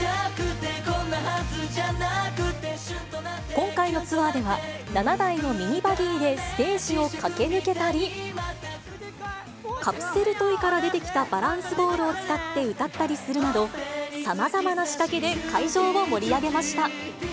今回のツアーでは、７台のミニバギーでステージを駆け抜けたり、カプセルトイから出てきたバランスボールを使って歌ったりするなど、さまざまな仕掛けで会場を盛り上げました。